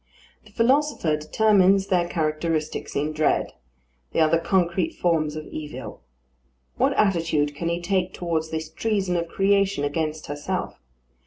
The philosopher determines their characteristics in dread. They are the concrete forms of evil. What attitude can he take towards this treason of creation against herself?